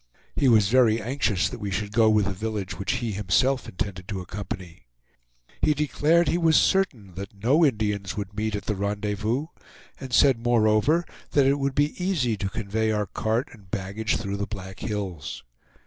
He was very anxious that we should go with the village which he himself intended to accompany. He declared he was certain that no Indians would meet at the rendezvous, and said moreover that it would be easy to convey our cart and baggage through the Black Hills.